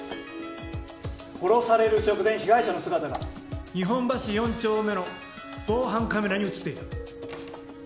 殺される直前被害者の姿が日本橋４丁目の防犯カメラに映っていた。